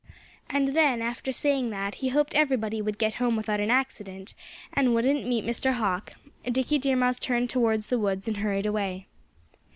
And then, after saying that he hoped everybody would get home without an accident, and wouldn't meet Mr. Hawk, Dickie Deer Mouse turned towards the woods and hurried away.